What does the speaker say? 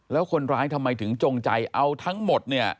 แล้วคนร้ายทำไมถึงจงใจเอาทั้งหมดเนี่ย